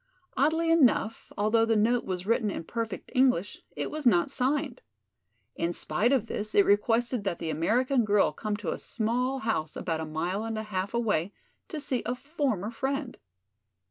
Oddly enough, although the note was written in perfect English, it was not signed. In spite of this it requested that the American girl come to a small house about a mile and a half away to see a former friend.